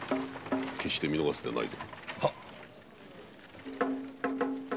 決して見逃すでないぞ。